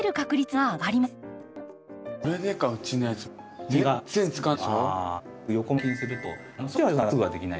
はい。